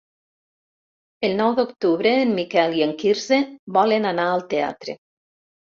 El nou d'octubre en Miquel i en Quirze volen anar al teatre.